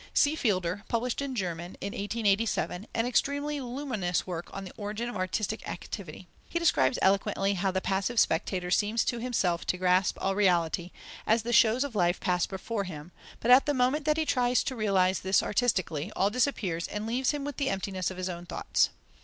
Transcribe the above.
C. Fiedler, published in German (in 1887) an extremely luminous work on the origin of artistic activity. He describes eloquently how the passive spectator seems to himself to grasp all reality, as the shows of life pass before him; but at the moment that he tries to realize this artistically, all disappears, and leaves him with the emptiness of his own thoughts.